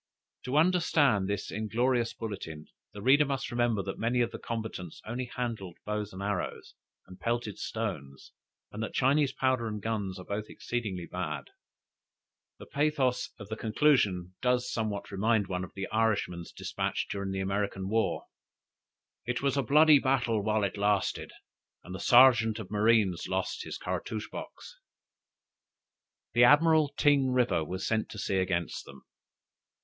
To understand this inglorious bulletin, the reader must remember that many of the combatants only handled bows and arrows, and pelted stones, and that Chinese powder and guns are both exceedingly bad. The pathos of the conclusion does somewhat remind one of the Irishman's despatch during the American war, "It was a bloody battle while it lasted; and the searjent of marines lost his cartouche box." The Admiral Ting River was sent to sea against them.